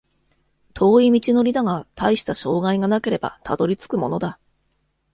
遠い道のりだが、たいした障害がなければたどり着くものだ